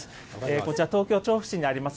こちら、東京・調布市にあります